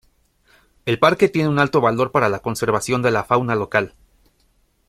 El parque tiene un alto valor para la conservación de la fauna local.